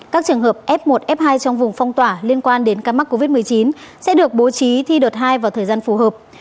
các trường hợp f một f hai trong vùng phong tỏa liên quan đến ca mắc covid một mươi chín sẽ được bố trí thi đợt hai vào thời gian phù hợp